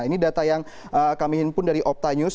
ini data yang kami himpun dari opta news